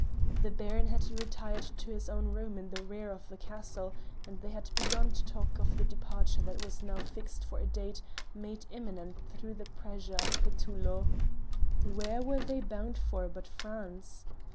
The Baron had retired to his own room in the rear of the castle, and they had begun to talk of the departure that was now fixed for a date made imminent through the pressure of Petullo. Where were they bound for but France?